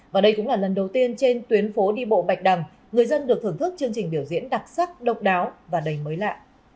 và đây cũng là lần đầu tiên trên tuyến phố đi bộ bạch đằng người dân được thưởng thức chương trình biểu diễn đặc sắc độc đáo và đầy mới lạ